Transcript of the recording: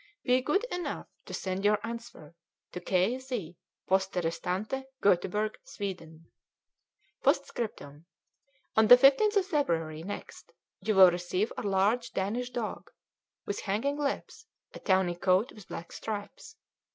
Be good enough to send your answer to K. Z., Poste Restante, Goteborg, Sweden. "P.S. On the 15th of February next you will receive a large Danish dog, with hanging lips, and tawny coat with black stripes.